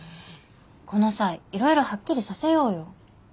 この際いろいろはっきりさせようよ。